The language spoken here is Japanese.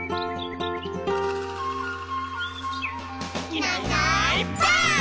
「いないいないばあっ！」